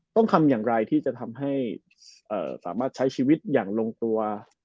ต้องทำอย่างไรที่จะทำให้สามารถใช้ชีวิตอย่างลงตัว